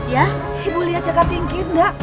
ya ibu lihat jaka tingkir enggak